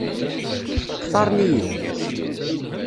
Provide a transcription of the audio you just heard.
Xtaṛen-iyi?